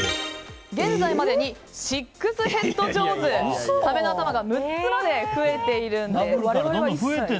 現在までに「シックスヘッド・ジョーズ」サメの頭が６つまで増えているんです。